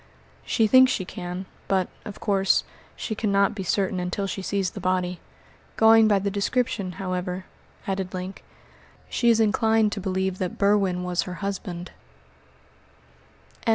"She thinks she can, but, of course, she cannot be certain until she sees the body. Going by the description, however," added Link, "she is inclined to believe that Berwin was her husband."